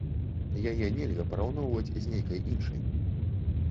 Яе нельга параўноўваць з нейкай іншай.